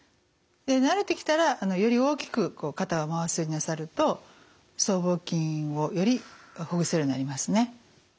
慣れてきたらより大きく肩を回すようになさると僧帽筋をよりほぐせるようになりますね。